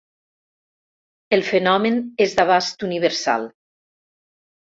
El fenomen és d'abast universal.